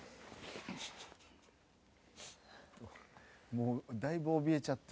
「もうだいぶおびえちゃって」